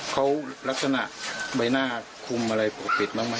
เขารักษณะใบหน้าคุมอะไรปรบปิดมากมั้ย